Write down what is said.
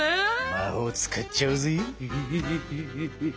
魔法を使っちゃうぜ！